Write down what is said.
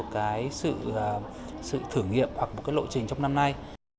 cái sự thử nghiệm hoặc một cái lộ trình trong năm nay